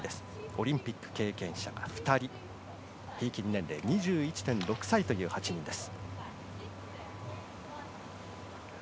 オリンピック経験者が２人、平均年齢２１．６歳という８人です。